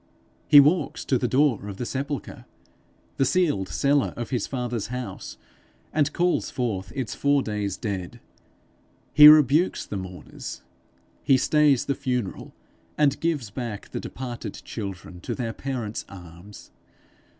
He walks to the door of the sepulchre, the sealed cellar of his father's house, and calls forth its four days dead. He rebukes the mourners, he stays the funeral, and gives back the departed children to their parents' arms.